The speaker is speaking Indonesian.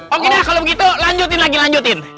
oke deh kalau begitu lanjutin lagi lanjutin